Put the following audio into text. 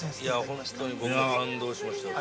◆本当に僕、感動しました。